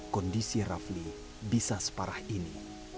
kondisi rafli bisa separah ini